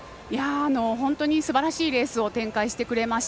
本当にすばらしいレースを展開してくれました。